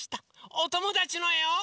おともだちのえを。